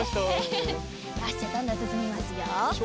よしじゃあどんどんすすみますよ。